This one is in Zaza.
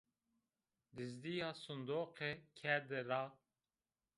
Dizdî ya sindoqe kerde ra